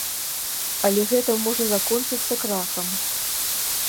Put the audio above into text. Але гэта можа закончыцца крахам.